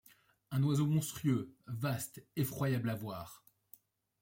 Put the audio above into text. Un oiseau monstrueux, vaste, effroyable à voir